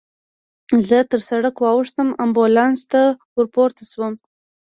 زه تر سړک واوښتم، امبولانس ته ورپورته شوم.